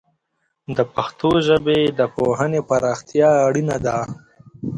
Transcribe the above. د پښتو ژبې د پوهنې پراختیا اړینه ده.